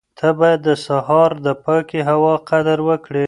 ته باید د سهار د پاکې هوا قدر وکړې.